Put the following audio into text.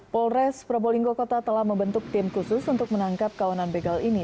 polres probolinggo kota telah membentuk tim khusus untuk menangkap kawanan begal ini